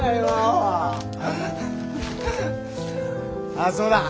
あっそうだ。